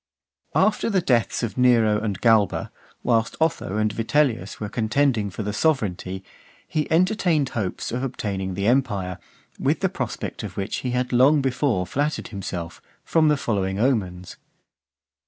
V. After the deaths of Nero and Galba, whilst Otho and Vitellius were contending for the sovereignty, he entertained hopes of obtaining the empire, with the prospect of which he had long before flattered himself, from the following omens.